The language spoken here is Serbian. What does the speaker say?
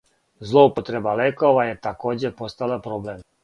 Злоупотреба лекова је такође постала проблем.